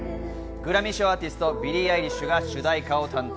グラミー賞アーティスト、ビリー・アイリッシュが主題歌を担当。